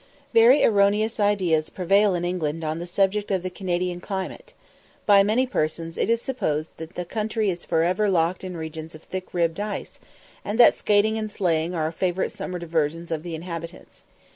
Very erroneous ideas prevail in England on the subject of the Canadian climate. By many persons it is supposed that the country is for ever "locked in regions of thick ribbed ice," and that skating and sleighing are favourite summer diversions of the inhabitants.